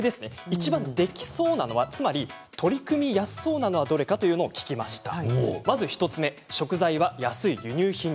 いちばんできそうなものつまり取り組みやすそうなものはどれかというものを聞きました。